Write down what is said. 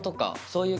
そう！